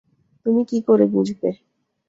তুমি কী করে বুঝবে?